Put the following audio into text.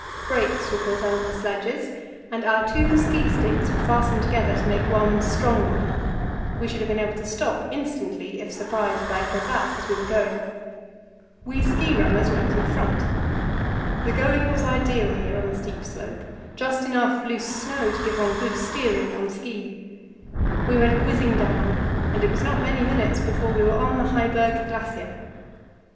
Brakes were put under the sledges, and our two ski sticks were fastened together to make one strong one; we should have to be able to stop instantly if surprised by a crevasse as we were going. We ski runners went in front. The going was ideal here on the steep slope, just enough loose snow to give one good steering on ski. We went whizzing down, and it was not many minutes before we were on the Heiberg Glacier.